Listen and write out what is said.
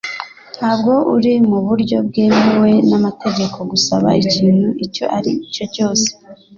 Ntabwo uri mu buryo bwemewe n'amategeko gusaba ikintu icyo ari cyo cyose.